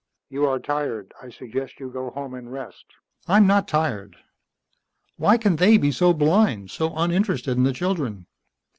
"You are tired. I suggest you go home and rest." "I'm not tired. Why can they be so blind, so uninterested in the children?"